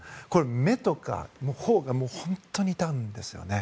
目とか頬が本当に痛むんですよね。